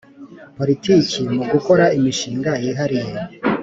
politiki mu gukora imishinga yihariye